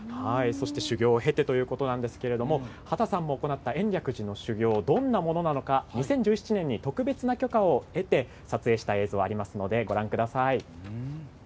そして、修行を経てということなんですが秦さんも行った延暦寺の修行どんなものなのか２０１７年に特別な許可を得て撮影した映像があります。